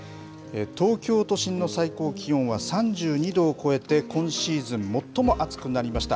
東京都心の最高気温は３２度を超えて、今シーズン最も暑くなりました。